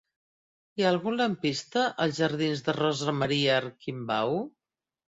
Hi ha algun lampista als jardins de Rosa Maria Arquimbau?